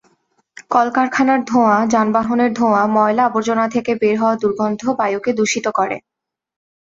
কলকারখানার ধোঁয়া, যানবাহনের ধোঁয়া, ময়লা-আবর্জনা থেকে বের হওয়া দুর্গন্ধ বায়ুকে দূষিত করে।